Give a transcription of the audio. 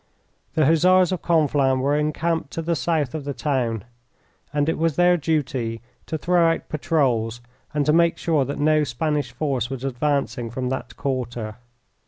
The Hussars of Conflans were encamped to the south of the town, and it was their duty to throw out patrols and to make sure that no Spanish force was advancing from that quarter.